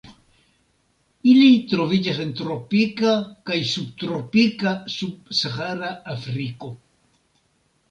Ili troviĝas en tropika kaj subtropika sub-Sahara Afriko.